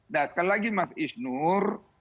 nah sekali lagi mas isnur